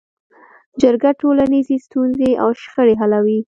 جرګه ټولنیزې ستونزې او شخړې حلوي